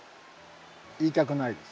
言いたくないです。